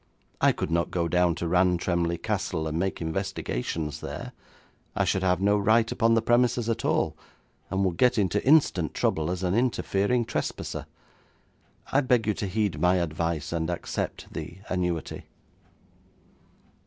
I could not go down to Rantremly Castle and make investigations there. I should have no right upon the premises at all, and would get into instant trouble as an interfering trespasser. I beg you to heed my advice, and accept the annuity.'